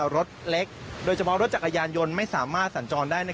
รถเล็กโดยเฉพาะรถจักรยานยนต์ไม่สามารถสัญจรได้